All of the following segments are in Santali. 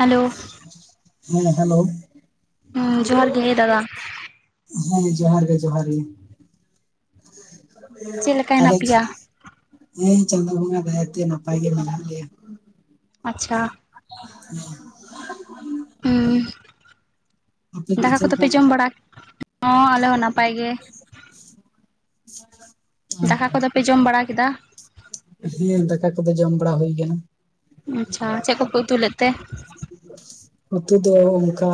ᱦᱮᱞᱳ ᱦᱮᱸ ᱦᱮᱞᱳ ᱦᱩᱸ ᱡᱚᱦᱟᱨ ᱜᱮ ᱫᱟᱫᱟ ᱦᱚᱭ ᱡᱚᱦᱟᱨ ᱜᱮ ᱡᱚᱦᱟᱨ ᱜᱮ ᱪᱮᱫ ᱞᱮᱠᱟ ᱛᱟᱦᱞᱮ ᱦᱮᱱᱟᱜ ᱯᱮᱭᱟ [unintelligible] ᱦᱮᱸ ᱪᱟᱸᱫᱳ ᱵᱚᱸᱜᱟ ᱫᱟᱭᱟᱛᱮ ᱱᱟᱯᱟᱭ ᱜᱮ ᱢᱮᱱᱟᱜ ᱞᱮᱭᱟ ᱾ ᱟᱪᱪᱷᱟ [unintelligible] ᱦᱩᱸ ᱟᱯᱮ ᱜᱮ ᱫᱟᱠᱟ ᱪᱮᱫ ᱞᱮᱠᱟ ᱠᱚᱫᱚᱯᱮ ᱡᱚᱢ ᱵᱟᱲᱟ ᱦᱚᱸ ᱟᱞᱮ ᱦᱚᱸ ᱱᱟᱯᱟᱭ ᱜᱮ ᱾ [inaudible] ᱫᱟᱠᱟ ᱠᱚᱫᱚ ᱯᱮ ᱡᱚᱢ ᱵᱟᱲᱟ ᱠᱮᱫᱟ? ᱦᱮᱸ ᱫᱟᱠᱟ ᱠᱚᱫᱚ ᱡᱚᱢ ᱵᱟᱲᱟ ᱦᱩᱭ ᱠᱟᱱᱟ ᱾ ᱟᱪᱪᱷᱟ ᱪᱮᱫ ᱠᱚᱯᱮ ᱩᱛᱩ ᱞᱮᱫ ᱛᱮ ᱩᱛᱩ ᱫᱚ ᱚᱱᱠᱟ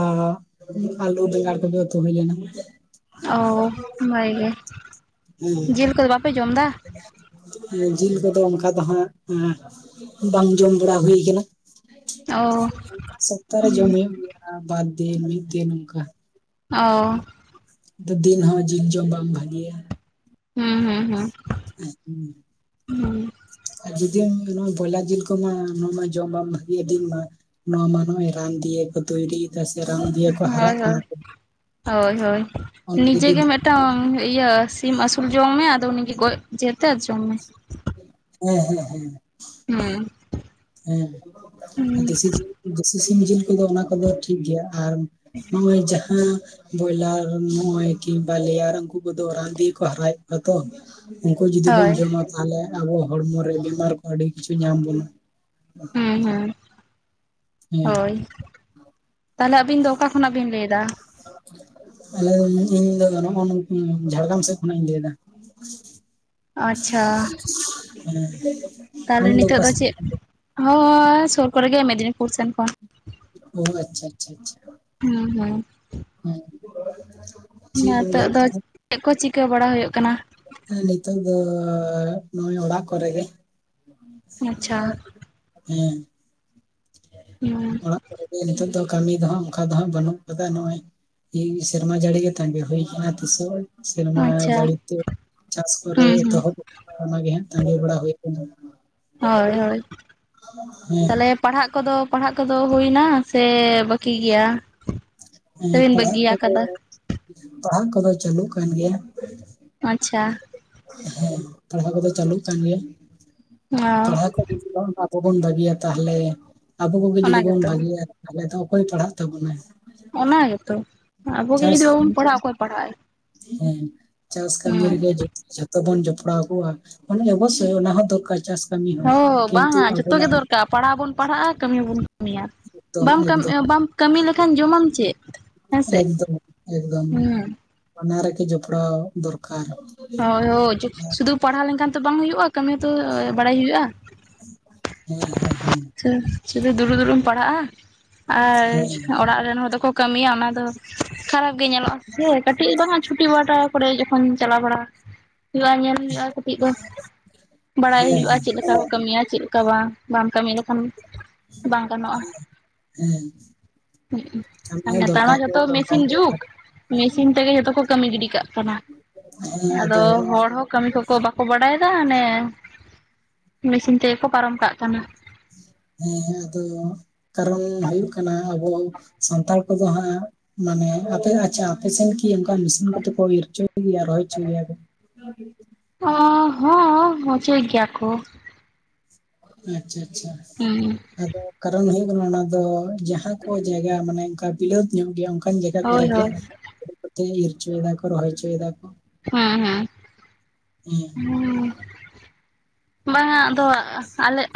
ᱟᱞᱩ ᱵᱮᱸᱜᱟᱲ ᱠᱚᱜᱮ ᱩᱛᱩ ᱦᱩᱭ ᱞᱮᱱᱟ ᱾ ᱚ ᱵᱷᱟᱜᱮ ᱜᱮ, ᱡᱤᱞ ᱠᱚᱫᱚ ᱵᱟᱯᱮ ᱡᱚᱢ ᱮᱫᱟ? ᱡᱤᱞ ᱠᱚᱫᱚ ᱚᱱᱠᱟ ᱫᱚ ᱦᱟᱸᱜ ᱵᱟᱝ ᱡᱚᱢ ᱵᱟᱲᱟ ᱦᱩᱭ ᱠᱟᱱᱟ ᱚ ᱾ ᱥᱚᱯᱛᱟᱨᱮ ᱦᱩᱸ ᱡᱚᱢ ᱦᱩᱭᱩᱜ ᱜᱮᱭᱟ ᱵᱟᱨ ᱫᱤᱱ ᱢᱤᱫ ᱫᱤᱱ ᱱᱚᱝᱠᱟ ᱾ ᱚ ᱫᱤᱱ ᱦᱚᱸ ᱡᱤᱞ ᱡᱚᱢ ᱵᱟᱝ ᱵᱷᱟᱜᱤᱭᱟ ᱾ ᱦᱩᱸ ᱦᱩᱸ ᱦᱩᱸ [inaudible] ᱦᱩᱸ ᱡᱩᱫᱤᱢ ᱱᱚᱣᱟ ᱵᱚᱭᱞᱟᱨ ᱡᱤᱞ ᱠᱚᱢᱟ ᱱᱚᱣᱟ ᱢᱟ ᱡᱚᱢ ᱵᱟᱝ ᱵᱷᱟᱜᱤᱭᱟ ᱫᱤᱱ ᱢᱟ ᱾ ᱱᱚᱣᱟ ᱢᱟ ᱱᱚᱜ-ᱚᱭ ᱨᱟᱱ ᱫᱤᱭᱟᱹ ᱠᱚ ᱛᱚᱭᱨᱤᱼᱼ ᱦᱚᱭ ᱦᱚᱭ, ᱦᱳᱭ ᱦᱳᱭ ᱚᱱᱟ ᱱᱤᱡᱮ ᱡᱩᱫᱤ ᱜᱮ ᱢᱤᱫᱼᱼ ᱢᱤᱫᱴᱟᱝ ᱤᱭᱟᱹ ᱥᱤᱢ ᱟᱹᱥᱩᱞ ᱡᱚᱝ ᱢᱮ ᱟᱫᱚ ᱩᱱᱤᱜᱮ ᱜᱚᱡ ᱡᱤᱛᱮ ᱡᱚᱢ ᱢᱮ ᱾ ᱦᱮᱸ ᱦᱮᱸ ᱦᱮᱸ ᱦᱩᱸ ᱦᱮᱸ ᱦᱩᱸ ᱫᱮᱥᱤ ᱡᱤᱞ ᱫᱮᱥᱤ ᱥᱤᱢ ᱡᱤᱞ ᱠᱚᱫᱚ ᱚᱱᱟ ᱠᱚᱫᱚ ᱴᱷᱤᱠ ᱜᱮᱭᱟ ᱟᱨ ᱱᱚᱜ-ᱚᱭ ᱡᱟᱦᱟᱸ ᱵᱚᱭᱞᱟᱨ ᱱᱚᱜ-ᱚᱭ ᱠᱤᱝᱵᱟ ᱞᱮᱭᱟᱨ ᱩᱱᱠᱩ ᱠᱚᱫᱚ ᱨᱟᱱ ᱛᱮᱜᱮ ᱠᱚ ᱦᱟᱨᱟᱭᱮᱫ ᱠᱚᱣᱟ ᱛᱚ, ᱩᱱᱠᱩ ᱡᱩᱫᱤ ᱵᱚᱱ ᱦᱳᱭ ᱡᱚᱢᱟ ᱛᱟᱦᱞᱮ ᱟᱵᱚ ᱦᱚᱲᱢᱚᱨᱮ ᱵᱤᱢᱟᱨ ᱠᱚ ᱟᱹᱰᱤ ᱠᱤᱪᱷᱩ ᱧᱟᱢ ᱵᱚᱱᱟ᱾ ᱦᱩᱸ ᱦᱩᱸ ᱦᱮᱸ ᱦᱳᱭ ᱛᱟᱦᱞᱮ ᱟᱵᱤᱱ ᱫᱚ ᱚᱠᱟ ᱠᱷᱚᱱᱟᱜ ᱵᱤᱱ ᱞᱟᱹᱭᱫᱟ? ᱟᱞᱮ ᱤᱧ ᱫᱚ ᱱᱚᱜ-ᱚ ᱱᱚᱱᱛᱮ ᱡᱷᱟᱲᱜᱟᱢ ᱥᱮᱫ ᱠᱷᱚᱱᱟᱜ ᱤᱧ ᱞᱟᱹᱭᱫᱟ᱾ ᱦᱮᱸ ᱟᱪᱪᱷᱟ ᱛᱟᱦᱞᱮ ᱟᱢ ᱱᱤᱛᱚᱜ ᱚᱠᱟ ᱫᱚ ᱥᱮᱫ ᱪᱮᱫ ᱠᱷᱚᱱᱟᱜ ᱦᱚᱸ ᱥᱩᱨ ᱠᱚᱨᱮᱜᱮ ᱢᱮᱫᱽᱱᱤᱯᱩᱨ ᱥᱮᱱ ᱠᱷᱚᱱ ᱳ ᱟᱪᱪᱷᱟ ᱟᱪᱪᱷᱟ ᱟᱪᱪᱷᱟ ᱦᱩᱸ ᱦᱩᱸ ᱦᱩᱸ ᱱᱤᱛᱚᱜ ᱫᱚ ᱪᱮᱫ ᱠᱚ ᱪᱤᱠᱟᱹ ᱵᱟᱲᱟ ᱦᱩᱭᱩᱜ ᱠᱟᱱᱟ? ᱦᱮᱸ ᱱᱤᱛᱳᱝ ᱫᱚ ᱱᱚᱜ-ᱚᱭ ᱚᱲᱟᱜ ᱠᱚᱨᱮ ᱜᱮ᱾ ᱟᱪᱪᱷᱟ ᱦᱮᱸ ᱦᱩᱸ ᱚᱲᱟᱜ ᱠᱚᱨᱮ ᱱᱤᱛᱳᱝ ᱫᱚ ᱠᱟᱹᱢᱤ ᱫᱚᱦᱟᱜ ᱚᱱᱠᱟ ᱫᱚᱦᱟᱸᱜ ᱵᱟᱹᱱᱩᱜ ᱠᱟᱫᱟ ᱱᱚᱜ-ᱚᱭ ᱤ ᱥᱨᱢᱟ ᱡᱟᱹᱲᱤ ᱜᱮ ᱛᱟᱸᱜᱤ ᱦᱩᱭ ᱠᱟᱱᱟ ᱛᱤᱥᱚᱜ ᱥᱮᱨᱢᱟ ᱟᱪᱪᱷᱟ ᱡᱟᱹᱲᱤ ᱛᱮ ᱪᱟᱥ ᱠᱚᱨᱮ ᱦᱩᱸ ᱦᱩᱸ ᱮᱛᱚᱦᱚᱵ ᱦᱩᱭᱩᱜᱼᱟ, ᱚᱱᱟᱜᱮ ᱦᱟᱸᱜ ᱛᱟᱸᱜᱤ ᱵᱟᱲᱟ ᱦᱩᱭ ᱠᱟᱱᱟ᱾ ᱦᱳᱭ ᱦᱳᱭ ᱦᱮᱸ ᱛᱟᱦᱞᱮ ᱯᱟᱲᱦᱟᱜ ᱠᱚᱫᱚ ᱯᱟᱲᱦᱟᱜ ᱠᱚᱫᱚ ᱦᱩᱭᱱᱟ ᱥᱮ ᱵᱟᱹᱠᱤ ᱜᱮᱭᱟ? ᱦᱮᱸ ᱛᱮᱵᱤᱱ ᱯᱟᱲᱦᱟᱜ ᱵᱟᱹᱜᱤᱭᱟᱠᱟ ᱠᱚᱫᱚ ᱫᱟ ᱯᱟᱲᱦᱟᱜ ᱠᱚᱫᱚ ᱪᱟᱹᱞᱩᱜ ᱠᱟᱱ ᱜᱮᱭᱟ᱾ ᱟᱪᱪᱷᱟ ᱦᱮᱸ ᱯᱟᱲᱦᱟᱣ ᱠᱚᱫᱚ ᱪᱟᱹᱞᱩᱜ ᱠᱟᱱ ᱜᱮᱭᱟ ᱚ ᱯᱟᱲᱦᱟᱣ ᱠᱚ ᱟᱵᱚ ᱵᱚᱱ ᱵᱷᱟᱹᱜᱤᱭᱟ ᱛᱟᱦᱞᱮ ᱟᱵᱚ ᱠᱚᱜᱮ ᱚᱱᱟ ᱡᱩᱫᱤ ᱵᱚᱱ ᱜᱮᱛᱚ ᱵᱷᱟᱹᱜᱤᱭᱟ ᱛᱟᱞᱦᱮ ᱛᱚ ᱚᱠᱚᱭᱮ ᱯᱟᱲᱦᱟᱜ ᱛᱟᱵᱚᱱᱟᱭ? ᱚᱱᱟ ᱜᱮᱛᱚ ᱟᱵᱚᱜᱮ ᱪᱟᱥ ᱡᱩᱫᱤ ᱵᱟᱵᱚᱱ ᱠᱟᱹᱢᱤ ᱯᱟᱲᱦᱟᱜᱼᱟ ᱚᱠᱚᱭ ᱯᱟᱲᱦᱟᱜᱼᱟᱭ ᱦᱮᱸ ᱪᱟᱥ ᱠᱟᱹᱢᱤ ᱦᱩᱸ ᱨᱮᱜᱮ ᱡᱚᱛ ᱛᱚᱵᱚᱱ ᱡᱚᱯᱲᱟᱣ ᱠᱚᱜ-ᱟ ᱚᱵᱚᱥᱥᱳᱭ ᱚᱱᱟ ᱦᱚᱸ ᱫᱚᱨᱠᱟᱨ ᱪᱟᱥ ᱠᱟᱹᱢᱤ ᱦᱚᱸ ᱦᱳ ᱠᱤᱱᱛᱩ ᱵᱟᱝᱟ ᱡᱚᱛᱚ ᱜᱮ ᱟᱵᱚᱱᱟᱜ ᱫᱚᱨᱠᱟᱨ ᱯᱟᱲᱦᱟᱣ ᱦᱚᱵᱚᱱ ᱯᱟᱲᱦᱟᱜ-ᱟ ᱠᱟᱹᱢᱤ ᱦᱚᱵᱚᱱ ᱠᱟᱹᱢᱤᱭᱟ, ᱮᱠᱫᱚᱢ ᱵᱟᱢ ᱮᱠᱫᱚᱢ ᱵᱟᱢ ᱠᱟᱹᱢᱤ ᱞᱮᱠᱷᱟᱱ ᱡᱚᱢᱟᱢ ᱪᱮᱫ? ᱦᱮᱸᱥᱮ ᱮᱠᱫᱚᱢ ᱮᱠᱫᱚᱢ ᱦᱩᱸ᱾ ᱵᱟᱱᱟ ᱨᱮᱜᱮ ᱡᱚᱯᱲᱟᱣ ᱫᱚᱨᱠᱟᱨ᱾ ᱦᱳᱭ ᱦᱳᱭ ᱪᱩ ᱥᱩᱫᱩ ᱯᱟᱲᱦᱟᱣ ᱞᱮᱱᱠᱷᱟᱱ ᱛᱚ ᱵᱟᱝ ᱦᱩᱭᱩᱜ-ᱟ ᱠᱟᱹᱢᱤ ᱛᱚ ᱵᱟᱲᱟᱭ ᱦᱩᱭᱩᱜ-ᱟ᱾ ᱦᱮᱸ ᱦᱮᱸ ᱦᱮᱸ ᱥᱩ ᱥᱩᱫᱩ ᱫᱩᱲᱩᱵ ᱫᱩᱲᱩᱵᱢ ᱯᱟᱲᱦᱟᱜ-ᱟ ᱟᱨ ᱦᱮᱸ ᱚᱲᱟᱜ ᱨᱮᱱ ᱦᱚᱲ ᱫᱚᱠᱚ ᱠᱟᱹᱢᱤᱭᱟ ᱚᱱᱟ ᱫᱚ ᱠᱷᱟᱨᱟᱯ ᱜᱮ ᱧᱮᱞᱚᱜ-ᱟ ᱥᱮ ᱠᱟᱹᱴᱤᱡ ᱫᱮᱦᱚ ᱪᱷᱩᱴᱤ ᱵᱟᱴᱟ ᱠᱚᱨᱮ ᱠᱷᱱ ᱪᱟᱞᱟᱣ ᱵᱟᱲᱟ ᱦᱩᱭᱩᱜ-ᱟ ᱧᱮᱞ ᱦᱩᱭᱩᱜ-ᱟ ᱠᱟᱹᱴᱤᱡ ᱫᱚ ᱦᱮᱸ ᱵᱟᱲᱟᱭ ᱦᱮᱸ ᱦᱩᱭᱩᱜ-ᱟ ᱪᱮᱫ ᱞᱮᱠᱟ ᱠᱟᱹᱢᱤᱭᱟ ᱪᱮᱫ ᱞᱮᱠᱟ ᱵᱟᱝ ᱵᱟᱢ ᱠᱟᱹᱢᱤ ᱞᱮᱠᱷᱟᱱ ᱵᱟᱝ ᱦᱮᱸ ᱦᱩᱜ ᱠᱟᱹᱢᱤ ᱩ ᱟᱨ ᱦᱚᱸ ᱱᱮᱛᱟᱨ ᱢᱟ ᱫᱚᱨᱠᱟᱨ ᱜᱮ ᱡᱚᱛᱚ ᱧᱮᱞ ᱢᱮᱥᱤᱱ ᱦᱚᱸ ᱡᱩᱜᱽ ᱫᱚᱨᱠᱟᱨ ᱜᱮ᱾ ᱢᱮᱥᱤᱱ ᱛᱮᱜᱮ ᱡᱚᱛᱚ ᱠᱚ ᱠᱟᱹᱢᱤ ᱜᱤᱰᱤ ᱠᱟᱜ ᱠᱟᱱᱟ ᱟᱫᱚ ᱦᱚᱲ ᱦᱚᱸ ᱠᱟᱹᱢᱤ ᱠᱚ ᱠᱚ ᱵᱟᱠᱚ ᱵᱟᱰᱟᱭᱮ ᱫᱟ ᱚᱱᱮ ᱢᱮᱥᱤᱱ ᱛᱮᱜᱮ ᱠᱚ ᱯᱟᱨᱚᱢ ᱠᱟᱜ ᱠᱟᱱᱟ᱾ ᱦᱮᱸ ᱦᱮᱸ ᱟᱫᱚ ᱠᱟᱨᱚᱱ ᱦᱩᱭᱩᱜ ᱠᱟᱱᱟ ᱟᱵᱚ ᱥᱟᱱᱛᱟᱲ ᱠᱚᱫᱚ ᱦᱟᱸᱜ ᱢᱟᱱᱮ ᱟᱯᱮ ᱟᱪᱪᱷᱟ ᱟᱯᱮᱥᱱ ᱠᱤ ᱚᱱᱠᱟ ᱢᱤᱥᱤᱱ ᱠᱚᱛᱮ ᱠᱚ ᱤᱨ ᱦᱚᱪᱚ ᱜᱮᱭᱟ ᱨᱚᱦᱚᱭ ᱪᱩᱭ ᱜᱮᱭᱟ ᱠᱚ ᱚ ᱦᱚᱸ ᱢᱚᱪᱚᱭ ᱜᱮᱭᱟ ᱠᱚ᱾ ᱟᱪᱪᱷᱟ ᱟᱪᱪᱷᱟ ᱦᱩᱸ ᱟᱫᱚ ᱠᱟᱨᱚᱱ ᱦᱩᱭᱩᱜ ᱠᱟᱱᱟ ᱚᱱᱟ ᱫᱚ ᱡᱟᱦᱟᱸ ᱠᱚ ᱡᱟᱭᱜᱟ ᱢᱟᱱᱮ ᱚᱱᱠᱟ ᱵᱤᱞᱟᱹᱛ ᱧᱚᱜ ᱜᱮᱭᱟ ᱚᱱᱠᱟ ᱚᱱᱠᱟᱱ ᱡᱟᱭᱜᱟ ᱦᱳᱭ ᱠᱚᱨᱮ ᱦᱳᱭ ᱜᱮ ᱤᱨ ᱦᱚᱪᱚᱭ ᱫᱟ ᱠᱚ ᱨᱚᱦᱚᱭ ᱦᱚᱪᱚᱭᱮᱫᱟ ᱠᱚ ᱾ ᱦᱮᱸ ᱦᱮᱸ ᱾ ᱦᱮᱸ ᱾ ᱵᱟᱝᱟ ᱟᱫᱚ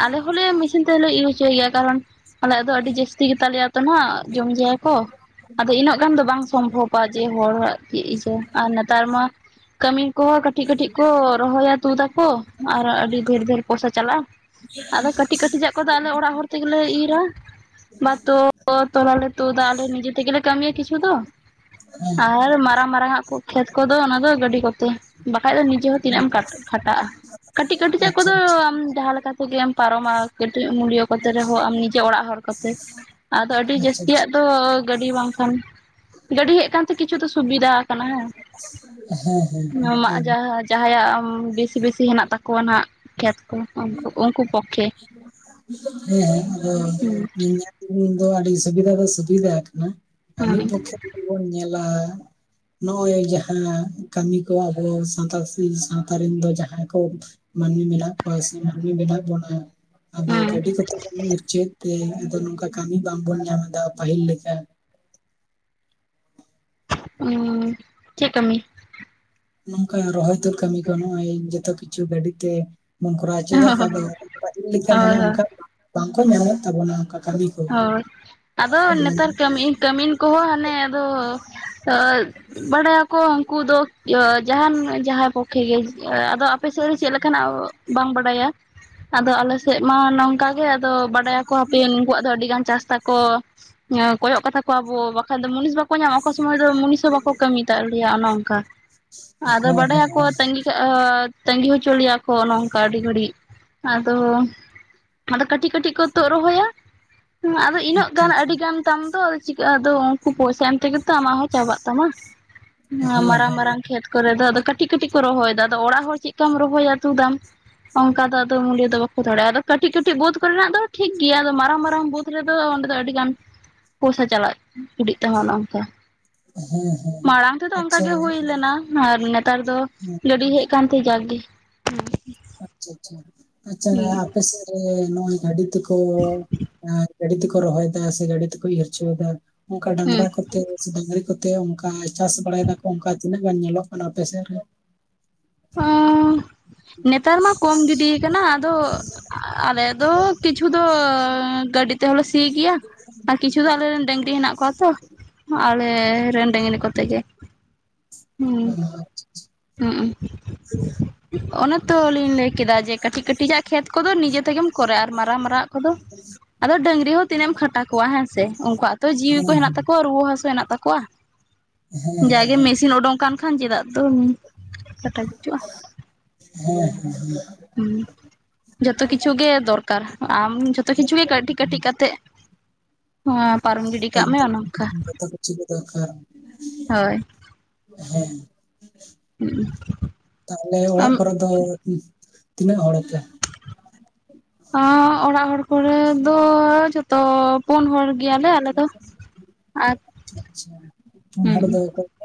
ᱟᱞᱮ ᱦᱚᱸᱞᱮ ᱢᱮᱥᱤᱱ ᱛᱮᱦᱞᱮ ᱤᱭᱩ ᱦᱚᱪᱚᱭ ᱜᱮᱭᱟ ᱾ ᱠᱟᱨᱚᱱ ᱟᱞᱮᱭᱟᱜ ᱫᱚ ᱟᱹᱰᱤ ᱡᱟᱹᱟᱥᱛᱤ ᱜᱮᱛᱟᱞᱮᱭᱟᱛᱚ ᱱᱟᱜ ᱡᱚᱢ ᱡᱟᱭᱟ ᱠᱚ ᱾ ᱟᱫᱚ ᱤᱱᱟᱹᱜ ᱜᱟᱱ ᱫᱚ ᱵᱟᱝ ᱥᱚᱢᱵᱷᱚᱵᱼᱟ ᱡᱮ ᱦᱚᱲᱟᱜ ᱪᱮᱫ ᱤᱭᱟᱹ ᱟᱨ ᱱᱮᱛᱟᱨ ᱢᱟ ᱠᱟᱹᱢᱤ ᱠᱚᱦᱚᱸ ᱠᱟᱹᱴᱤᱡ ᱠᱟᱹᱴᱤᱡ ᱠᱚ ᱨᱚᱦᱚᱭᱟ ᱛᱩᱫᱟᱠᱚ ᱟᱨ ᱟᱹᱰᱤ ᱰᱷᱮᱨ ᱰᱷᱮᱨ ᱯᱚᱭᱥᱟ ᱪᱟᱞᱟᱜᱼᱟ ᱾ ᱟᱫᱚ ᱠᱟᱹᱴᱤᱡ ᱠᱟᱹᱴᱤᱡᱟᱜ ᱠᱚᱫᱚ ᱟᱞᱮ ᱚᱲᱟᱜ ᱦᱚᱲ ᱛᱮᱜᱮᱞᱮ ᱤᱨᱟ ᱾ ᱵᱟᱫᱽ ᱫᱚ ᱛᱚᱞᱟᱞᱮ ᱛᱩᱫᱟ ᱟᱞᱮ ᱱᱤᱡᱮ ᱛᱮᱜᱮ ᱠᱟᱹᱢᱤᱭᱟ ᱠᱤᱪᱷᱩ ᱫᱚ ᱾ ᱦᱮᱸ ᱟᱨ ᱢᱟᱨᱟᱝ ᱢᱟᱨᱟᱝ ᱟᱜ ᱠᱚ ᱠᱷᱮᱛ ᱠᱚᱫᱚ ᱚᱱᱟ ᱫᱚ ᱜᱟᱹᱰᱤ ᱠᱚᱛᱮ ᱾ ᱵᱟᱠᱷᱟᱡ ᱫᱚ ᱱᱤᱡᱮ ᱦᱚᱸ ᱛᱤᱱᱟᱹᱜ ᱮᱢ ᱠᱷᱟᱴᱟᱜᱼᱟ ᱾ ᱠᱟᱹᱴᱤᱡ ᱠᱟᱹᱴᱤᱡᱟᱜ ᱠᱚᱫᱚ ᱟᱪᱪ [unintelligible] ᱟᱢ ᱡᱟᱦᱟᱸ ᱞᱮᱠᱟ ᱛᱮᱜᱮᱢ ᱯᱟᱨᱚᱢᱟ ᱠᱟᱹᱴᱤᱡ ᱢᱩᱞᱭᱟᱹ ᱠᱚᱛᱮ ᱨᱮᱦᱚᱸ ᱟᱢ ᱱᱤᱡᱮ ᱚᱲᱟᱜ ᱦᱚᱲ ᱠᱚᱛᱮ ᱾ ᱟᱫᱚ ᱟᱹᱰᱤ ᱟᱪᱪᱷᱟ ᱡᱟᱹᱥᱛᱤᱭᱟᱜ ᱟᱪᱪᱷᱟ ᱫᱚ ᱜᱟᱹᱰᱤ ᱵᱟᱝᱠᱷᱟᱱ, ᱜᱟᱹᱰᱤ ᱦᱮᱡ ᱟᱠᱛᱮ ᱠᱤᱪᱷᱩ ᱫᱚ ᱥᱩᱵᱤᱫᱷᱟ ᱟᱠᱟᱱᱟ ᱦᱮᱸ ᱵᱟᱝᱮ ᱾ ᱦᱮᱸ ᱟᱢᱟᱜ ᱦᱮᱸ ᱮᱠᱫᱚᱢ ᱡᱟᱦᱟᱸ ᱡᱟᱦᱟᱸᱭᱟᱜ ᱵᱮᱥᱤ ᱵᱮᱥᱤ ᱦᱮᱱᱟᱜ ᱛᱟᱠᱚᱣᱟ ᱦᱱᱟᱜ ᱠᱷᱮᱛ ᱠᱚ [unintelligible] ᱩᱱᱠᱩ ᱩᱱᱠᱩ ᱯᱚᱠᱠᱷᱮ ᱦᱩᱸ [inaudible] ᱫᱚ ᱟᱹᱰᱤ ᱥᱩᱵᱤᱫᱟ ᱫᱚ ᱥᱩᱵᱤᱫᱟ ᱟᱠᱟᱱᱟ, ᱟᱨ ᱦᱩᱸ ᱢᱤᱫ ᱯᱚᱠᱠᱷᱮ ᱡᱩᱫᱤ ᱵᱚᱱ ᱧᱮᱞᱟ ᱾ ᱱᱚᱜᱼᱚᱭ ᱡᱟᱦᱟᱸ ᱠᱟᱹᱢᱤ ᱠᱚ ᱟᱵᱚ ᱥᱟᱶᱛᱟ ᱥᱤ ᱥᱟᱶᱛᱟ ᱨᱮᱱ ᱫᱚ ᱡᱟᱦᱟᱸᱭ ᱠᱚ ᱢᱟᱹᱱᱢᱤ ᱢᱮᱱᱟᱜ ᱠᱚᱣᱟ ᱥᱮ ᱢᱟᱹᱱᱢᱤ ᱢᱮᱱᱟᱜ ᱵᱚᱱᱟ, ᱟᱫᱚ ᱦᱩᱸ ᱜᱟᱹᱰᱤ ᱠᱚᱛᱮ ᱵᱚᱱ ᱪᱮᱫ ᱛᱮ ᱟᱫᱚ ᱱᱚᱝᱠᱟ ᱠᱟᱹᱢᱤ ᱵᱟᱝ ᱵᱚᱱ ᱧᱟᱢ ᱮᱫᱟ ᱯᱟᱹᱦᱤᱞ ᱞᱮᱠᱟ᱾ ᱩᱸ ᱪᱮᱫ ᱠᱟᱹᱢᱤ? ᱱᱚᱝᱠᱟ ᱨᱚᱦᱚᱭ ᱛᱩᱫ ᱠᱟᱹᱢᱤ ᱠᱚ ᱱᱚᱜᱼᱚᱭ ᱡᱚᱛᱚ ᱠᱤᱪᱷᱩ ᱜᱟᱹᱰᱤᱛᱮ ᱵᱚᱱ ᱠᱚᱨᱟᱣ ᱚᱪᱚᱭ ᱦᱳᱭ [inaudible] ᱯᱟᱹᱦᱤᱞ ᱞᱮᱠᱟᱱ ᱢᱟᱱᱮ ᱦᱳᱭ ᱚᱱᱠᱟ ᱵᱟᱝᱠᱚ ᱧᱟᱢᱮᱫ ᱛᱟᱵᱚᱱᱟ ᱚᱱᱠᱟ ᱾ ᱦᱚᱭ, ᱟᱫᱚ ᱱᱮᱛᱟᱨ ᱠᱟᱹᱢᱤ ᱠᱟᱹᱢᱤᱱ ᱠᱚᱦᱚᱸ ᱦᱟᱱᱮ ᱟᱫᱚ ᱵᱟᱰᱟᱭᱟᱠᱚ ᱦᱟᱹᱱᱠᱩ ᱫᱚ ᱡᱟᱦᱟᱱ ᱡᱟᱦᱟᱸᱭ ᱯᱚᱠᱠᱷᱮ ᱜᱮ ᱮ ᱟᱫᱚ ᱟᱯᱮᱥᱮᱫ ᱫᱚ ᱪᱮᱫ ᱞᱮᱠᱟᱱᱟᱜ ᱵᱟᱝ ᱵᱟᱰᱟᱭᱟ, ᱟᱫᱚ ᱟᱞᱮᱥᱮᱫ ᱢᱟ ᱱᱚᱝᱼᱼ ᱠᱟ ᱜᱮ ᱟᱫᱚ ᱵᱟᱰᱟᱭᱟᱠᱚ ᱦᱟᱯᱮ ᱩᱱᱠᱩᱣᱟᱜ ᱟᱹᱰᱤ ᱜᱟᱱ ᱪᱟᱥ ᱛᱟᱠᱚ ᱠᱚᱭᱚᱜ ᱠᱟᱛᱟ ᱠᱚᱣᱟᱵᱚ᱾ ᱵᱟᱠᱷᱟᱱ ᱫᱚ ᱢᱩᱱᱤᱥ ᱵᱟᱠᱚ ᱠᱚ ᱧᱟᱢᱟ ᱚᱠᱟ ᱥᱚᱢᱚᱭ ᱫᱚ ᱢᱩᱱᱤᱥ ᱦᱚᱸ ᱵᱟᱠᱚ ᱠᱟᱹᱢᱤ ᱫᱟᱜᱟᱞᱮᱭᱟᱜᱼᱟ ᱚᱱᱮ ᱚᱱᱠᱟ᱾ ᱟᱫᱚ ᱵᱟᱰᱟᱭᱟᱠᱚ ᱛᱟᱸᱟᱹᱜᱤ ᱟᱹᱻ ᱛᱟᱺᱜᱤ ᱦᱚᱪᱚ ᱞᱮᱭᱟ ᱠᱚ ᱚᱱᱮ ᱚᱝᱠᱟ ᱟᱹᱰᱤ ᱜᱷᱟᱹᱲᱤᱡ᱾ ᱟᱫᱚ ᱟᱫᱚ ᱠᱟᱹᱴᱤᱡ ᱠᱟᱹᱴᱤᱡ ᱠᱚ ᱛᱩᱜᱫ ᱨᱚᱦᱚᱭᱟ ᱾ ᱦᱮᱸ ᱟᱫᱚ ᱤᱱᱟᱹᱜ ᱜᱟᱱ ᱟᱹᱰᱤ ᱜᱟᱱ ᱛᱟᱢ ᱫᱚ ᱟᱫᱚ ᱪᱤᱠᱟᱹᱜ ᱟᱫᱚ ᱩᱱᱠᱩ ᱯᱚᱭᱥᱟ ᱮᱢ ᱛᱮᱜᱮ ᱟᱢᱟᱜ ᱦᱚᱸ ᱪᱟᱵᱟᱜ ᱛᱟᱢᱟ, ᱢᱟᱨᱟᱝ ᱢᱟᱨᱟᱝ ᱠᱷᱮᱛ ᱠᱚᱨᱮ ᱫᱚ ᱟᱫᱚ ᱠᱟᱹᱴᱤᱡ ᱠᱟᱹᱴᱤᱡ ᱠᱚ ᱨᱚᱦᱚᱭᱫᱟ ᱟᱫᱚ ᱚᱲᱟᱜ ᱦᱚᱲ ᱪᱮᱫ ᱠᱟᱢ ᱨᱚᱦᱚᱭᱟ ᱛᱩᱫᱟᱢ ᱾ ᱚᱱᱠᱟ ᱫᱚ ᱟᱫᱚ ᱢᱩᱞᱭᱟᱹ ᱫᱚ ᱵᱟᱠᱚ ᱫᱟᱲᱮᱭᱟᱜᱼᱟ᱾ ᱟᱫᱚ ᱠᱟᱹᱴᱤᱡ ᱠᱟᱹᱴᱤᱡ ᱵᱳᱫᱽ ᱠᱚᱨᱮᱱᱟᱜ ᱫᱚ ᱴᱷᱤᱠ ᱜᱮᱭᱟ᱾ ᱟᱫᱚ ᱢᱟᱨᱟᱝ ᱢᱟᱨᱼᱼ ᱨᱟᱝ ᱵᱩᱫᱽ ᱨᱮᱫᱚ ᱚᱸᱰᱮ ᱫᱚ ᱟᱹᱰᱤ ᱜᱟᱱ ᱯᱚᱭᱥᱟ ᱪᱟᱞᱟᱜ ᱤᱰᱤᱜ ᱛᱟᱢᱟ ᱚᱱᱮ ᱚᱱᱠᱟ᱾ ᱢᱟᱲᱟᱝ ᱛᱮᱫᱚ ᱚᱱᱠᱟ ᱟᱪᱪᱷᱟ ᱜᱮ ᱦᱩᱭ ᱞᱮᱱᱟ ᱟᱨ ᱱᱮᱛᱟᱨ ᱫᱚ ᱜᱟᱹᱰᱤ ᱦᱮᱡᱼᱼ ᱠᱟᱱᱛᱤ ᱡᱟᱜᱽᱜᱤ᱾ ᱟᱪᱪᱷᱟ ᱟᱪᱪᱷᱟ᱾ ᱟᱪᱪᱷᱟ, ᱦᱩᱸ ᱟᱯᱮ ᱥᱮᱫ ᱨᱮ ᱱᱚᱜ-ᱚᱭ ᱜᱟᱹᱰᱤ ᱛᱮᱠᱚ ᱜᱟᱹᱰᱤ ᱛᱮᱠᱚ ᱨᱚᱦᱚᱭ ᱫᱟ ᱥᱮ, ᱜᱟᱹᱰᱤ ᱛᱮᱠᱚ ᱤᱨᱪᱟᱹᱭ ᱫᱟ ᱾ ᱚᱱᱠᱟ ᱦᱩᱸ ᱰᱟᱝᱨᱟ ᱠᱚ [inaudible] ᱰᱟᱝᱨᱤ ᱠᱚᱛᱮ ᱚᱱᱠᱟ ᱪᱟᱥ ᱵᱟᱲᱟᱭ ᱫᱟᱠᱚ ᱚᱱᱠᱟ ᱛᱤᱱᱟᱹᱜ ᱜᱟᱱ ᱧᱮᱞᱚᱜ ᱠᱟᱱᱟ ᱟᱯᱮ ᱥᱮᱫ ᱨᱮ? ᱚᱸᱻ ᱱᱮᱛᱟᱨ ᱢᱟ ᱠᱚᱢ ᱜᱤᱰᱤᱭ ᱟᱠᱟᱱᱟ᱾ ᱟᱫᱚ ᱟᱞᱮ ᱫᱚ ᱠᱤᱪᱷᱩ ᱫᱚᱻᱚ ᱜᱟᱹᱰᱤᱛᱼᱼ ᱛᱮ ᱦᱚᱞᱮ ᱥᱤ ᱜᱮᱭᱟ ᱟᱨ ᱠᱤᱪᱷᱩ ᱫᱚ ᱟᱞᱮ ᱨᱮᱱ ᱰᱟᱹᱝᱨᱤ ᱦᱮᱱᱟᱜ ᱠᱚᱣᱟ ᱛᱚ᱾ ᱟᱞᱮ ᱨᱮᱱ ᱰᱟᱹᱝᱨᱤ ᱠᱚᱛᱮ ᱜᱮ᱾ ᱦᱩᱸ, ᱟᱸ, ᱦᱩᱸ᱾ ᱚᱱᱟ ᱛᱚᱞᱤᱧ ᱞᱟᱹᱭ ᱠᱮᱫᱟ ᱡᱮ ᱠᱟᱹᱴᱤᱡ ᱠᱟᱹᱴᱤᱡ ᱟᱜ ᱠᱷᱮᱛ ᱠᱚᱫᱚ ᱱᱤᱡᱮ ᱛᱮᱜᱮᱢ ᱠᱚᱨᱟ, ᱟᱨ ᱢᱟᱨᱟᱝ ᱢᱟᱨᱟᱜ ᱠᱚᱫᱚ ᱟᱫᱚ ᱰᱟᱹᱝᱨᱤ ᱦᱚᱸ ᱛᱤᱱᱟᱹᱜ ᱮᱢ ᱠᱷᱟᱴᱟ ᱠᱚᱣᱟ ᱦᱮᱸᱥᱮ? ᱩᱱᱠᱩᱣᱟᱜ ᱛᱚ ᱡᱤᱣᱤ ᱠᱚ ᱦᱮᱱᱟᱜ ᱛᱟᱠᱚᱣᱟ᱾ ᱨᱩᱣᱟᱹ ᱦᱟᱹᱥᱩ ᱦᱮᱱᱟᱜ ᱛᱟᱠᱚᱣᱟ᱾ ᱦᱮᱸ ᱦᱮᱸ ᱡᱟᱜᱮ ᱢᱮᱥᱤᱱ ᱚᱰᱚᱝ ᱠᱟᱱ ᱠᱷᱟᱱ ᱪᱮᱫᱟᱜ ᱫᱚ ᱠᱟᱴᱷᱟ ᱜᱩᱡᱩᱜ-ᱟ? ᱦᱮᱸ, [unintelligible] ᱦᱩᱸ᱾ ᱡᱚᱛᱚ ᱠᱤᱪᱷᱩ ᱜᱮ ᱫᱚᱨᱠᱟᱨ᱾ ᱟᱢ ᱡᱚᱛᱚ ᱠᱤᱪᱷᱩ ᱜᱮ ᱦᱮᱸ ᱠᱟᱹᱴᱤᱡ ᱠᱟᱹᱴᱤᱡ ᱠᱟᱛᱮᱜ᱾ ᱦᱚᱸ ᱯᱟᱨᱚᱢ ᱜᱤᱰᱤᱜ ᱮᱠᱫᱚᱢ ᱡᱚᱛᱚ ᱠᱤᱪᱷᱩ ᱜᱮ ᱫᱟᱨᱠᱟᱨ᱾ ᱦᱳᱭ ᱦᱮᱸ᱾ ᱛᱟᱦᱞᱮ ᱚᱲᱟᱜ ᱟᱢ ᱠᱚᱨᱮ ᱫᱚ [unintelligible] ᱛᱤᱱᱟᱹᱜ ᱦᱚᱲᱟᱯᱮ? ᱟᱸ ᱚᱲᱟᱜ ᱦᱚᱲ ᱠᱚᱨᱮ ᱫᱚ ᱡᱷᱚᱛᱚ ᱯᱩᱱ ᱦᱚᱲ ᱜᱮᱭᱟᱞᱮ ᱟᱞᱮ ᱫᱚ ᱟᱨ ᱟᱪᱪᱷᱟ ᱯᱩᱱ ᱦᱩᱸ᱾ ᱦᱚᱲ ᱫᱚ ᱚᱠᱚᱭ ᱠᱚ?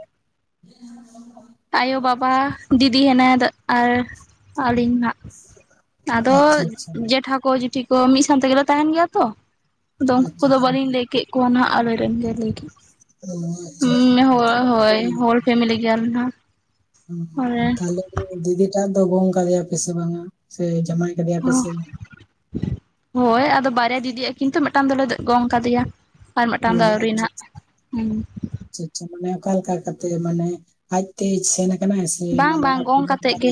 [unintelligible] ᱟᱭᱳ, ᱵᱟᱵᱟ, ᱫᱤᱫᱤ ᱦᱮᱱᱟᱭᱟ ᱫᱚᱜ ᱟᱨ ᱟᱞᱤᱧ ᱦᱟᱸᱜ᱾ [inaudible] ᱟᱫᱚ ᱟᱪᱪᱷᱟ ᱟᱪᱪᱷᱟ ᱡᱮᱴᱷᱟ ᱠᱚ ᱡᱮᱴᱷᱤ ᱠᱚ ᱢᱤᱜ ᱥᱟᱶ ᱛᱮᱜᱮᱞᱮ ᱛᱟᱦᱮᱱ ᱜᱮᱭᱟ ᱛᱚ᱾ ᱟᱫᱚ ᱩᱱᱠᱩ ᱟᱪᱪᱷᱟ ᱠᱚᱫᱚ ᱦᱮᱸ ᱵᱟᱹᱞᱤᱧ ᱦᱮᱸ ᱞᱟᱹᱭ ᱠᱮᱜ ᱠᱚᱣᱟ ᱱᱟᱦᱟᱜ ᱟᱞᱮᱨᱮᱱ ᱜᱮ ᱞᱟᱹᱭ ᱠᱮ ᱟ [unintelligible] ᱪᱷᱟ [unintelligible] ᱪᱮᱫ ᱮᱢ ᱞᱟᱹᱭ ᱠᱮᱭᱟ ᱟᱨ ᱢᱤᱫ ᱫᱷᱟᱶ? ᱛᱟᱦᱞᱮ ᱫᱤᱫᱤ ᱴᱟᱜ ᱫᱚ ᱜᱚᱝ ᱠᱟᱫᱮᱭᱟ ᱯᱮᱥ ᱵᱟᱝᱟ ᱥᱮ ᱡᱟᱢᱟᱭ? [unintelligible] ᱦᱳᱭ ᱟᱫᱚ ᱵᱟᱨᱭᱟ ᱫᱤᱫᱤᱭᱟᱜ ᱠᱤᱱᱛᱩ ᱢᱤᱫᱴᱟᱝ ᱫᱚᱞᱮ ᱜᱚᱝ ᱠᱟᱫᱮᱭᱟ᱾ ᱟᱨ ᱢᱤᱫᱴᱟᱝ ᱫᱚ ᱦᱚᱸ ᱟᱹᱣᱨᱤ ᱟᱪᱪᱷᱟ ᱱᱟᱦᱟᱜ ᱟᱪᱪᱷᱟ ᱦᱩᱸ ᱟᱪᱪᱷᱟ ᱟᱪᱪᱷᱟ ᱢᱟᱱᱮ ᱚᱠᱟ ᱞᱮᱠᱟ ᱠᱟᱛᱮ ᱢᱟᱱᱮ ᱟᱡ ᱛᱮ ᱪᱷᱮᱱᱼᱼ ᱵᱟᱝ ᱵᱟᱝ ᱜᱚᱝ ᱠᱟᱛᱮᱫ ᱜᱮ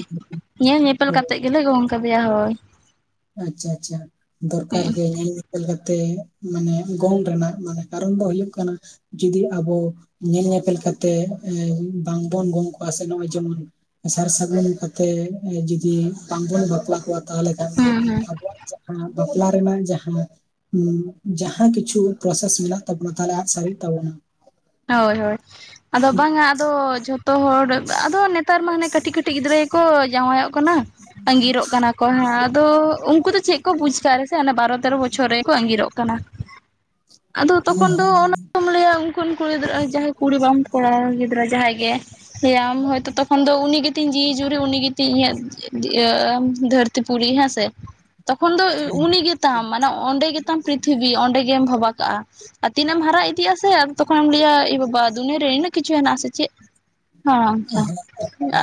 ᱧᱮᱞ ᱧᱮᱯᱮᱞ ᱚ ᱠᱟᱛᱮᱜ ᱜᱮᱞᱮ ᱜᱚᱝ ᱠᱟᱫᱮᱭᱟ ᱦᱚᱭ ᱾ ᱟᱪᱪᱷᱟ ᱟᱪᱪᱷᱟ, ᱫᱚᱨᱠᱟᱨ ᱜᱮ ᱦᱮᱸᱼᱼ ᱧᱞᱮᱠᱟᱛᱮ ᱢᱟᱱᱮ ᱜᱚᱝ ᱨᱮᱱᱟᱜ ᱢᱟᱱᱮ ᱠᱟᱨᱚᱱ ᱫᱚ ᱦᱩᱭᱩᱜ ᱠᱟᱱᱟ, ᱡᱩᱫᱤ ᱟᱵᱚ ᱧᱮᱞ ᱧᱮᱯᱮᱞ ᱠᱟᱛᱮ ᱵᱟᱝᱵᱚᱱ ᱜᱚᱝ ᱠᱚᱣᱟ ᱥᱮ ᱱᱚᱜ-ᱚᱭ ᱡᱮᱢᱚᱱ ᱥᱟᱨ ᱥᱟᱹᱜᱩᱱ ᱠᱟᱛᱮ ᱡᱩᱫᱤ ᱵᱟᱝᱵᱚᱱ ᱵᱟᱯᱞᱟ ᱠᱚᱣᱟ ᱛᱟᱦᱚᱞᱮ ᱠᱷᱟᱱ ᱫᱚ, ᱦᱩᱸ ᱦᱩᱸ ᱟᱵᱚᱣᱟᱜ ᱡᱟᱦᱟᱸ, ᱵᱟᱯᱞᱟ ᱨᱮᱱᱟᱝ ᱡᱟᱦᱟᱸᱼᱼ ᱦᱩ ᱸᱡᱟᱦᱟᱸ ᱠᱤᱪᱷᱩ ᱯᱨᱚᱥᱮᱥ ᱢᱮᱱᱟᱜ ᱛᱟᱵᱚᱱᱟ ᱛᱟᱦᱚᱞᱮ ᱟᱫ ᱥᱟᱹᱨᱤᱜ ᱛᱟᱵᱚᱱᱟ ᱾ ᱦᱚᱭ ᱦᱚᱭ ᱟᱫᱚ ᱵᱟᱝᱟ ᱟᱫᱚ ᱡᱷᱚᱛᱚ ᱦᱚᱲᱼᱼ ᱟᱫᱚ ᱱᱮᱛᱟᱨ ᱢᱟ ᱦᱟᱱᱮ ᱠᱟᱹᱴᱤᱡ ᱠᱟᱹᱴᱤᱡ ᱜᱤᱫᱽᱨᱟᱹ ᱜᱮᱠᱚ ᱡᱟᱶᱟᱭᱚᱜ ᱠᱟᱱᱟ, ᱟᱸᱜᱤᱨᱚᱜ ᱠᱟᱱᱟ ᱠᱚ ᱾ ᱠᱚᱦᱟᱸ ᱟᱫᱚ ᱩᱱᱠᱩ ᱫᱚ ᱪᱮᱫ ᱠᱚ ᱵᱩᱡᱽ ᱟᱠᱟᱫ ᱨᱮᱥᱮ ᱵᱟᱨᱚ ᱛᱮᱨᱚ ᱵᱚᱪᱷᱚᱨ ᱨᱮᱠᱚ ᱟᱸᱜᱤᱨᱚᱜ ᱠᱟᱱᱟ ᱾ ᱟᱫᱚ ᱛᱚᱠᱷᱚᱱ ᱫᱚ ᱚᱱᱟ ᱠᱚᱢ ᱞᱟᱹᱭᱟ ᱩᱱᱠᱩᱼᱼ [unintelligible] ᱠᱩᱲᱤ ᱵᱟᱢ ᱠᱚᱲᱟ ᱜᱤᱫᱽᱨᱟᱹ ᱡᱟᱦᱟᱸ ᱜᱮᱸ ᱦᱟᱶ ᱛᱚ ᱛᱚᱠᱷᱚᱱ ᱤᱧ ᱫᱚ ᱩᱱᱤ ᱜᱮᱛᱤᱧ ᱡᱤᱣᱤ ᱡᱩᱨᱤ ᱩᱱᱤ ᱜᱮᱛᱤᱧ ᱤᱧᱟᱹᱜ ᱤᱭᱟᱹ ᱫᱷᱟᱹᱨᱛᱤ ᱯᱩᱨᱤ ᱦᱮᱸ ᱥᱮ ᱾ ᱛᱚᱠᱷᱚᱱ ᱫᱚ ᱦᱮᱸ ᱩ ᱩᱱᱤ ᱜᱮᱛᱟᱢ, ᱢᱟᱱᱮ ᱚᱸᱰᱮ ᱜᱮᱛᱟᱢ ᱯᱨᱤᱛᱷᱤᱵᱤ ᱚᱸᱰᱮ ᱜᱮᱼᱼ ᱜᱮᱢ ᱵᱷᱟᱵᱟ ᱠᱟᱜᱼᱟ, ᱟᱨ ᱛᱤᱱᱟᱹᱜ ᱮᱢ ᱦᱟᱨᱟ ᱤᱫᱤ ᱟᱥᱮ ᱛᱚᱠᱷᱚᱱᱮᱢ ᱞᱟᱹᱭᱟ ᱮ ᱵᱟᱵᱟ ᱫᱩᱱᱭᱟᱹᱨ ᱨᱮᱹ ᱤᱱᱟᱹᱜᱼᱼ [unintelligible] ᱠᱤᱪᱷᱩ ᱦᱮᱱᱟᱜ ᱟᱥᱮ ᱪᱮᱫ? ᱦᱚᱝᱠᱟ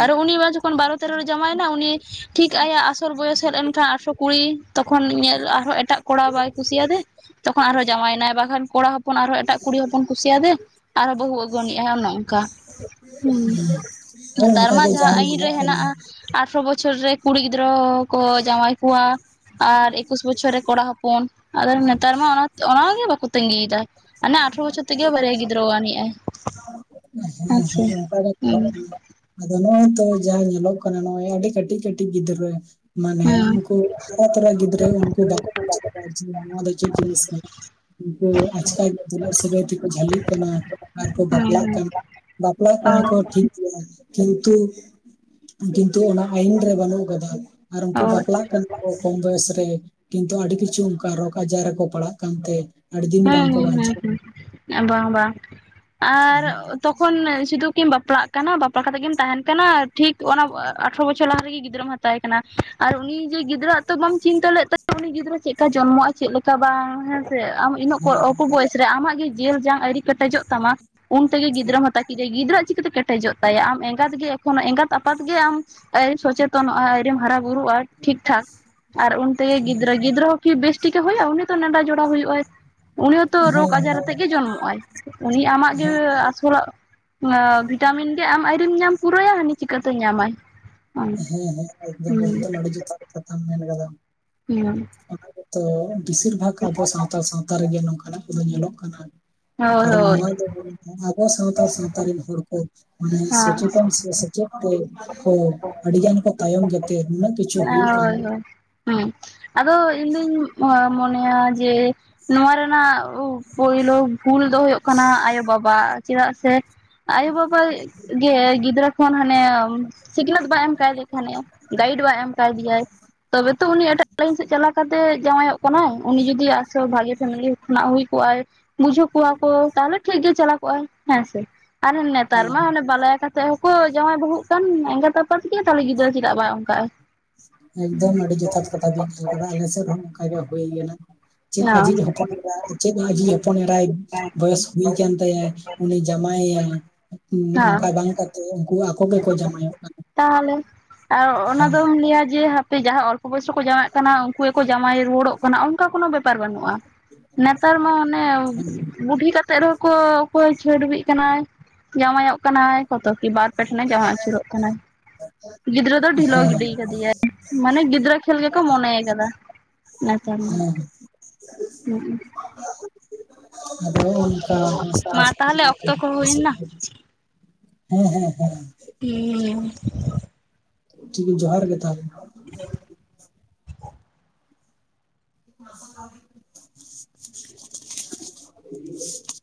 ᱟᱨ ᱩᱱᱤ ᱢᱟ ᱡᱚᱠᱷᱚᱱ ᱵᱟᱨᱚᱼᱼ ᱵᱟᱨᱚ ᱛᱮᱨᱚ ᱨᱮᱭ ᱡᱟᱶᱟᱭᱮᱱᱟ ᱩᱱᱤ ᱴᱷᱤᱠ ᱟᱭᱟᱜ ᱟᱥᱚᱞ ᱵᱚᱭᱚᱥ ᱦᱮᱡ ᱞᱮᱱᱠᱷᱟᱱ ᱟᱴᱷᱨᱚ ᱠᱩᱲᱤ ᱛᱚᱠᱷᱚᱱ ᱤᱭᱟᱹ ᱟᱨᱦᱚᱸ ᱮᱴᱟᱜ ᱠᱚᱲᱟ ᱵᱟᱭ ᱠᱩᱥᱤᱭᱟᱫᱮ, ᱛᱚᱠᱷᱚᱱ ᱟᱨᱦᱚᱸ ᱡᱟᱶᱟᱭᱮᱱᱟᱭ ᱵᱟᱠᱷᱟᱱ ᱠᱚᱲᱟ ᱦᱚᱯᱚᱱ ᱟᱨᱦᱚᱸ ᱮᱴᱟᱜ ᱠᱩᱲᱤ ᱦᱚᱯᱚᱱᱼᱼ ᱠᱩᱥᱤᱭᱟᱫᱮᱢ ᱟᱨᱦᱚᱸ ᱵᱟᱹᱦᱩ ᱟᱜᱩᱟᱱᱤᱜᱼᱟᱭ ᱚᱱᱮ ᱝᱠᱟ ᱦᱩᱸ ᱦᱳᱭ ᱱᱮᱛᱟᱨ ᱢᱟ ᱚᱱᱠᱟᱜᱮ ᱡᱟᱦᱟᱸ ᱟᱹᱭᱤᱱ ᱨᱮ ᱧᱮᱞᱚᱜ ᱠᱟᱱᱟ ᱦᱮᱱᱟᱜᱼᱟ ᱾ ᱟᱴᱷᱨᱚ ᱵᱚᱪᱷᱚᱨ ᱨᱮ ᱠᱩᱲᱤ ᱜᱤᱫᱽᱨᱟᱹ ᱦᱚᱸᱠᱚ ᱡᱟᱶᱟᱭ ᱠᱚᱣᱟ ᱾ ᱟᱨ ᱮᱠᱩᱥ ᱵᱚᱪᱷᱚᱨ ᱨᱮ ᱠᱚᱲᱟ ᱦᱚᱯᱚᱱ, ᱟᱫᱚ ᱱᱮᱛᱟᱨ ᱢᱟ ᱚᱱᱟᱜᱮ ᱵᱟᱠᱚ ᱛᱟᱸᱜᱤᱭᱮᱫᱟ ᱾ ᱟᱱᱮ ᱟᱴᱷᱨᱚ ᱵᱚᱪᱷᱚᱨ ᱛᱮᱜᱮ ᱵᱟᱨᱭᱟ ᱜᱤᱫᱽᱨᱟᱹ ᱟᱹᱱᱤᱡ ᱟᱭ ᱦᱮᱸ ᱥᱮ ᱚᱱᱠᱟ ᱜᱮ ᱦᱩᱸ ᱪᱟᱞᱟᱜ ᱠᱟᱱᱟ ᱟᱫᱚ ᱱᱚᱜᱼᱚᱭ ᱛᱚ ᱡᱟᱦᱟᱸ ᱧᱮᱞᱚᱜ ᱠᱟᱱᱟ, ᱱᱚᱜᱼᱚᱭ ᱟᱹᱰᱤ ᱠᱟᱹᱴᱤᱡ ᱠᱟᱹᱴᱤᱡ ᱜᱤᱫᱽᱨᱟᱹᱼᱼ ᱢᱟᱱᱮ ᱦᱩᱸ ᱩᱱᱠᱩ ᱦᱟᱨᱟ ᱛᱚᱨᱟ ᱜᱤᱫᱽᱨᱟᱹ ᱩᱱᱠᱩ ᱵᱟᱠᱚ ᱵᱩᱡᱷ ᱠᱟᱫᱟ ᱡᱮ ᱱᱚᱣᱟ ᱫᱚ ᱪᱮᱫ ᱡᱤᱱᱤᱥ ᱠᱟᱱᱟ ᱾ ᱤᱱᱠᱟᱹ ᱟᱪᱠᱟᱜᱮ ᱫᱩᱞᱟ. ᱲ ᱥᱟᱹᱜᱟᱹᱭ ᱛᱮᱠᱚ ᱡᱷᱟᱹᱞᱤᱜ ᱠᱟᱱᱟ ᱟᱨ ᱠᱚ ᱦᱮᱸ ᱵᱟᱯᱞᱟᱜ ᱦᱮᱸ ᱠᱟᱱᱟ, ᱵᱟᱯᱞᱟ ᱠᱟᱱᱟ ᱚ ᱠᱚᱼᱼ ᱴᱷᱤᱠ ᱜᱮᱭᱟ ᱠᱤᱱᱛᱩ, ᱠᱤᱱᱛᱩ ᱚᱱᱟ ᱟᱹᱭᱤᱱ ᱨᱮ ᱵᱟᱹᱱᱩᱜ ᱠᱟᱫᱟ ᱾ ᱟᱨ ᱩᱱᱠᱩ ᱚ ᱵᱟᱯᱞᱟᱜ ᱠᱟᱱᱟ? ᱠᱚᱢ ᱵᱚᱭᱮᱥ ᱨᱮ ᱠᱤᱱᱛᱩ ᱟᱹᱰᱤ ᱠᱤᱪᱷᱩ ᱚᱱᱠᱟ ᱨᱳᱜᱽ ᱟᱡᱟᱨ ᱨᱮᱠᱚ ᱯᱟᱲᱦᱟᱜ ᱠᱟᱱᱛᱮ᱾ ᱟᱹᱰᱤ ᱫᱤᱱ ᱵᱟᱝᱠᱚ ᱵᱟᱧᱪᱟᱜ ᱦᱩᱸ ᱵᱟᱝ ᱵᱟᱝ ᱟᱨ ᱠᱟᱱᱟ᱾ ᱦᱮᱸ ᱛᱚᱠᱷᱚᱱ ᱥᱤᱫᱷᱩᱯᱼᱼ ᱠᱤᱢ ᱵᱟᱯᱞᱟᱜ ᱠᱟᱱᱟ ᱵᱟᱯᱞᱟ ᱠᱟᱛᱮ ᱜᱮᱢ ᱛᱟᱦᱮᱱ ᱠᱟᱱᱟ ᱴᱷᱤᱠ ᱚᱱᱟ ᱟᱴᱷᱚᱨᱚ ᱵᱚᱪᱷᱚᱨ ᱞᱟᱦᱟ ᱨᱮᱜᱮ ᱜᱤᱫᱽᱨᱟᱹ ᱢᱟᱼ ᱛᱟᱦᱮ ᱠᱟᱱᱟ, ᱟᱨ ᱩᱱᱤ ᱡᱮ ᱜᱤᱫᱽᱨᱟᱹ ᱦᱟᱜ ᱛᱚ ᱵᱟᱢ ᱪᱤᱱᱛᱟᱹ ᱞᱮᱫ ᱛᱟᱭ ᱩᱱᱤ ᱜᱤᱫᱽᱨᱟᱹ ᱪᱮᱫ ᱞᱮᱠᱟ ᱡᱚᱱᱢᱚᱜᱼᱟ ᱾ ᱪᱮᱫᱼᱼ [unintelligible] ᱵᱟᱝ ᱦᱮᱸ ᱥᱮ ᱾ ᱟᱢ ᱤᱱᱟᱹᱜ ᱠᱚ ᱚᱞᱯᱚ ᱵᱚᱭᱮᱥ ᱨᱮ ᱟᱢᱟᱜ ᱜᱮ ᱡᱤᱞ ᱡᱟᱝ ᱟᱹᱣᱨᱤ ᱠᱮᱴᱮᱡᱚᱜ ᱛᱟᱢᱟ ᱩᱱ ᱛᱮᱜᱮ ᱜᱤᱫᱽᱨᱟᱹ ᱢᱟᱼᱼ ᱛᱟᱹᱠᱤᱨᱮ ᱜᱤᱫᱽᱨᱟᱹᱣᱟᱜ ᱪᱤᱠᱟᱹᱛᱮ ᱠᱮᱴᱮᱡᱚᱜ ᱛᱟᱭᱟ, ᱟᱢ ᱮᱸᱜᱟᱛ ᱜᱮ ᱮᱠᱷᱚᱱᱳ ᱮᱸᱜᱟᱛ ᱟᱯᱟᱛ ᱜᱮ ᱟᱢᱼᱼ ᱥᱚᱪᱮᱛᱚᱱᱚᱜᱼᱟᱢ ᱟᱹᱣᱨᱤ ᱦᱟᱨᱟ ᱵᱩᱨᱩᱜᱼᱟ ᱴᱷᱤᱠ ᱴᱷᱟᱠ, ᱟᱨ ᱚᱱᱛᱮ ᱜᱤᱫᱽᱨᱟᱹ ᱜᱤᱫᱽᱨᱟᱹ ᱦᱚᱸᱼᱼ ᱠᱤ ᱵᱮᱥ ᱴᱷᱤᱠ ᱠᱮ ᱦᱩᱭᱩᱜᱼᱟ ᱩᱱᱤ ᱫᱚ ᱱᱮᱸᱫᱟ ᱡᱚᱨᱟ ᱦᱩᱭᱩᱜᱼᱟ ᱾ ᱩᱱᱤ ᱦᱚᱸᱛᱚ ᱦᱮᱸ ᱨᱳᱜᱽ ᱦᱮᱸ ᱟᱡᱟᱨ ᱦᱮᱸ ᱟᱛᱮᱜ ᱜᱮ ᱡᱚᱱᱢᱚᱜᱼ ᱟᱭ, ᱩᱱᱤ ᱟᱢᱟᱜ ᱜᱮ ᱦᱮᱸ ᱟᱥᱚᱞᱟᱜᱼᱼ ᱤᱭᱟᱹ ᱵᱷᱤᱴᱟᱢᱤᱱ ᱜᱮ ᱟᱢ ᱟᱹᱣᱨᱤᱢ ᱧᱟᱢ ᱯᱩᱨᱟᱹᱭᱟ, ᱦᱟᱹᱱᱤ ᱪᱤᱠᱟᱹᱛᱮ ᱧᱟᱢᱟᱭ ᱾ [unintelligible] ᱠᱟᱛᱷᱟᱢ ᱢᱮᱱ ᱠᱟᱫᱟᱢ ᱾ ᱦᱮᱸ [unintelligible] ᱚᱱᱟ ᱜᱮᱛᱚ ᱟᱵᱚ ᱵᱮᱥᱤᱨ ᱵᱷᱟᱜᱽ ᱟᱵᱚ ᱥᱟᱱᱛᱟᱲ ᱥᱟᱶᱛᱟ ᱨᱮᱜᱮ ᱱᱚᱝᱠᱟᱱᱟᱜ ᱠᱚᱫᱚ ᱧᱮᱞᱚᱜ ᱠᱟᱱᱟ ᱾ ᱦᱳᱭ ᱦᱳᱭ ᱟᱵᱚ ᱥᱟᱶᱛᱟᱲ ᱥᱟᱶᱛᱟ ᱨᱤᱱ ᱦᱚᱲ ᱠᱚ ᱢᱟᱱᱮ ᱦᱮᱸ ᱥᱚᱪᱮᱛᱚᱱ ᱥᱮ ᱥᱮᱪᱮᱫ ᱛᱮ ᱠᱚ ᱟᱹᱰᱤᱜᱟᱱ ᱠᱚ ᱛᱟᱭᱚᱢ ᱜᱮᱛᱮ ᱱᱩᱱᱟᱹᱜ ᱠᱤᱪᱷᱩ ᱦᱳᱭ ᱦᱩᱭᱩᱜ ᱠᱟᱱ᱾ ᱦᱳᱭ ᱦᱩᱸ, ᱟᱫᱚ ᱤᱧᱫᱩᱧ ᱢᱚᱱᱮᱭᱟ ᱡᱮ ᱱᱚᱣᱟ ᱨᱮᱱᱟᱜ ᱯᱳᱭᱞᱳ ᱵᱷᱩᱞ ᱫᱚ ᱦᱳᱭᱳᱜ᱾ ᱠᱟᱱᱟ ᱟᱭᱳ ᱵᱟᱵᱟ ᱟᱜ᱾ ᱪᱮᱫᱟᱜ ᱥᱮ ᱟᱭᱳ ᱵᱟᱵᱟ ᱜᱮ ᱜᱤᱫᱽᱨᱟᱹ ᱠᱷᱚᱱ ᱦᱟᱱᱮ ᱥᱤᱠᱷᱱᱟᱹᱛ ᱵᱟᱭ ᱮᱢ ᱠᱟᱭ ᱫᱮᱠᱷᱟᱱᱮ, ᱜᱟᱭᱤᱰ ᱵᱟ ᱮᱢ᱾ ᱠᱟᱣ ᱫᱮᱭᱟᱭ ᱛᱚᱵᱮ ᱛᱚ ᱩᱱᱤ ᱮᱴᱟᱜ ᱞᱟᱭᱤᱱ ᱥᱮᱜ ᱪᱟᱞᱟᱣ ᱠᱟᱛᱮ ᱡᱟᱶᱟᱭᱚᱜ᱾ ᱠᱟᱱᱟᱭ ᱩᱱᱤ ᱡᱩᱫᱤ ᱟᱥᱚ ᱵᱷᱟᱜᱮ ᱯᱷᱮᱢᱮᱞᱤ᱾ ᱠᱷᱚᱱᱟᱜ ᱦᱩᱭ ᱠᱚᱜ-ᱟᱭ ᱵᱩᱡᱷᱟᱹᱣ ᱠᱚᱣᱟ ᱠᱚ ᱛᱟᱦᱞᱮ ᱴᱷᱤᱠ ᱜᱮ ᱪᱟᱞᱟ ᱠᱚᱜ-ᱟᱭ ᱦᱮᱸ ᱥᱮ ᱟᱨ ᱱᱮᱛᱟᱨ ᱦᱮᱸ ᱢᱟ ᱚᱱᱮ ᱵᱟᱞᱟᱭᱟ ᱠᱟᱛᱮ ᱦᱚᱸᱠᱚ ᱡᱟᱶᱟᱭ ᱵᱟᱹᱦᱩᱜ ᱠᱟᱱ ᱮᱸᱜᱟᱛ ᱟᱯᱟᱛᱜᱮ ᱛᱟᱦᱞᱮ ᱜᱤᱫᱽᱨᱟᱹ ᱪᱮᱫᱟᱜ ᱵᱟᱭ ᱚᱝᱠᱟᱜ-ᱟᱭ᱾ ᱮᱠᱫᱚᱢ ᱟᱹᱰᱤ ᱡᱚᱛᱷᱟᱛ ᱠᱟᱛᱷᱟ ᱵᱤᱱ ᱢᱮᱱ ᱟᱠᱟᱫᱟ, ᱟᱞᱮ ᱥᱮᱫ ᱨᱮᱦᱚᱸ ᱚᱝᱠᱟᱜᱮ ᱜᱮ ᱦᱳᱭ ᱞᱮᱱᱟ᱾ ᱪᱮᱫ ᱦᱮᱸ ᱟᱡᱤᱡ ᱦᱚᱯᱚᱱ ᱮᱨᱟ, ᱪᱮᱫ ᱟᱡᱤᱡ ᱦᱚᱯᱚᱱ ᱮᱨᱟᱭ᱾ ᱵᱚᱭᱮᱥ ᱦᱩᱭ ᱠᱟᱱ ᱛᱟᱭᱟᱭ ᱩᱱᱤ ᱡᱟᱢᱟᱭᱟᱭ, ᱚᱝᱠᱟ ᱵᱟᱝ ᱠᱟᱛᱮ ᱩᱝᱠᱩ ᱛᱟᱦᱞᱮ ᱟᱨ ᱚᱱᱟ ᱦᱮᱸ ᱫᱚᱢ ᱞᱟᱹᱭᱟ ᱡᱮ ᱦᱟᱯᱮ ᱡᱟᱦᱟᱸ ᱚᱞ ᱯᱚ ᱵᱚᱭᱮᱥ ᱨᱮ ᱠᱚ ᱡᱟᱶᱟᱭᱚᱜ ᱠᱟᱱᱟ, ᱩᱱᱠᱩ ᱜᱮᱠᱚ ᱡᱟᱢᱟᱭ ᱨᱩᱣᱟᱹᱲᱚᱜ ᱠᱟᱱᱟ ᱚᱝᱠᱟ ᱠᱳᱱᱳ ᱵᱮᱯᱟᱨ ᱵᱟᱹᱱᱩᱜ-ᱟ᱾ ᱱᱮᱛᱟᱨ ᱢᱟ ᱚᱱᱮ ᱦᱮᱸ ᱵᱩᱰᱷᱤ ᱠᱟᱛᱮᱜ ᱨᱮᱦᱚᱸ ᱠᱚ ᱚᱠᱚᱭ ᱪᱷᱟᱹᱰᱵᱤᱜ ᱠᱟᱱᱟᱭ, ᱡᱟᱢᱟᱭᱚᱜ ᱠᱟᱱᱟᱭ ᱠᱚᱛᱚ ᱠᱤ ᱵᱟᱨ ᱯᱮ ᱴᱷᱮᱱᱮ ᱡᱟᱶᱟᱭ ᱟᱹᱪᱩᱨᱚᱜ ᱠᱟᱱᱟᱭ᱾ ᱜᱤᱫᱽᱨᱟᱹ ᱫᱚ ᱰᱷᱤᱞᱟᱹᱣ ᱜᱤᱰᱤ ᱠᱟᱫᱮᱭᱟᱭ, ᱢᱟᱱᱮ ᱜᱤᱫᱽᱨᱟᱹ ᱠᱷᱮᱹᱞ ᱜᱮᱠᱚ ᱢᱚᱱᱮᱭ ᱠᱟᱫᱟ᱾ ᱱᱟᱛᱟᱨ ᱫᱚ ᱦᱮᱸ ᱦᱩᱸᱜ-ᱩ᱾ ᱟᱫᱚ ᱢᱟ ᱦᱚᱸᱜ-ᱚ ᱛᱟᱦᱚᱞᱮ ᱚᱠᱛᱚ ᱠᱚ ᱱᱚᱝᱠᱟ ᱦᱩᱭᱱᱟ [unintelligible] ᱦᱮᱸ ᱦᱮᱸ, ᱦᱮᱸ᱾ ᱦᱩᱸ᱾ ᱦᱩᱸ᱾ ᱴᱷᱤᱠᱜᱮ ᱡᱚᱦᱟᱨ ᱜᱮ ᱛᱟᱦᱞᱮ᱾ [inaudible]